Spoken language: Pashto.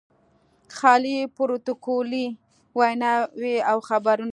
خالي پروتوکولي ویناوې او خبرونه.